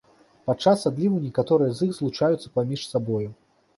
Падчас адліву некаторыя з іх злучаюцца паміж сабою.